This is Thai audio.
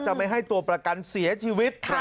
ไม่ให้ตัวประกันเสียชีวิต